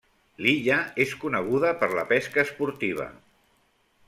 L'illa és coneguda per la pesca esportiva.